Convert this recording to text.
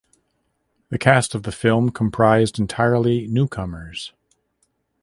The cast of the film comprised entirely newcomers.